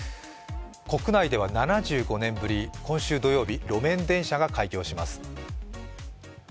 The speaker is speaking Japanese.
国内では７５年ぶり、今週土曜日路面電車が開業します。